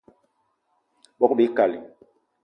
Bogb-ikali